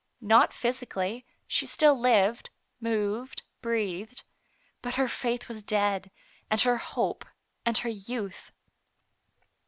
Not physically; she still lived, moved, breathed, but her faith was dead, and her hope, and her youth.